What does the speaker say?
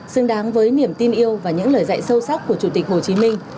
xứng đáng với niềm tin yêu và những lời dạy sâu sắc của chủ tịch hồ chí minh